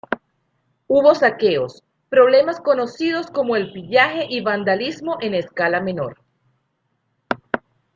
Hubo saqueos, problemas conocidos como el pillaje y vandalismo en escala menor.